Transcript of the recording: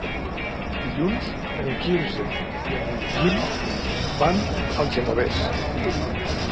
Dilluns en Quirze i en Guim van al Genovés.